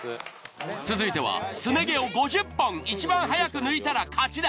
続いてはすね毛を５０本いちばん早く抜いたら勝ちだ。